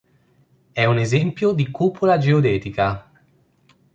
È un esempio di cupola geodetica.